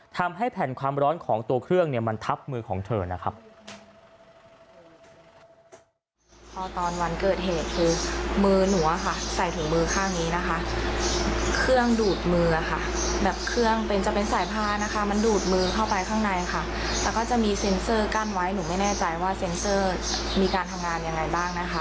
ทำให้แผ่นความร้อนของตัวเครื่องเนี่ยมันทับมือของเธอนะครับ